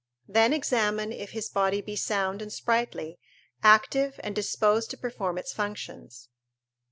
Then examine if his body be sound and sprightly, active and disposed to perform its functions.